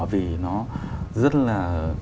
vì nó rất là